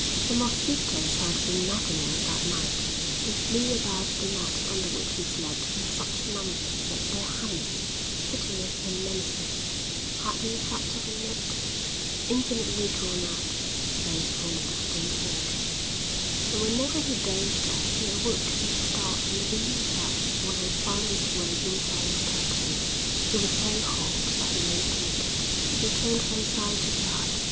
The mosquitoes had been maddening that night; they flew about the net under which he slept in such numbers that their humming, pitiless and menacing, had the effect of a note, infinitely drawn out, played on a distant organ, and whenever he dozed off he awoke with a start in the belief that one had found its way inside his curtains. It was so hot that he lay naked. He turned from side to side.